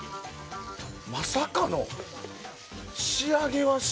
まさかの仕上げは塩。